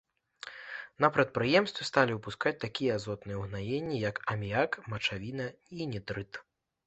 На прадпрыемстве сталі выпускаць такія азотныя ўгнаенні, як аміяк, мачавіна і нітрыт.